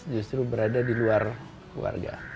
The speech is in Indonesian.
justru berada di luar keluarga